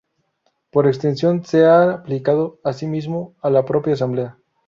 Por extensión se ha aplicado asimismo a la propia asamblea.